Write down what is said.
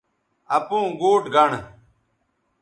اپوں گوٹھ گنڑ